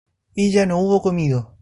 ella no hubo comido